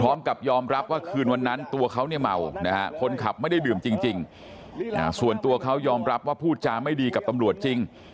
พร้อมกับยอมรับว่าคืนวันนั้นตัวเขาเนี่ยเมานะฮะคนขับไม่ได้ดื่มจริงส่วนตัวเขายอมรับว่าพูดจาไม่ดีกับตำรวจจริง